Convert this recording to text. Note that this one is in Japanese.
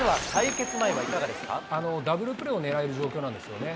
ダブルプレーを狙える状況なんですよね。